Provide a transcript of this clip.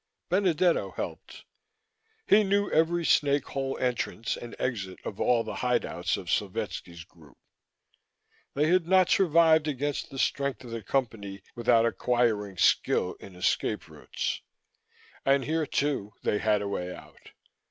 Benedetto helped. He knew every snake hole entrance and exit of all the hideouts of Slovetski's group. They had not survived against the strength of the Company without acquiring skill in escape routes; and here, too, they had a way out.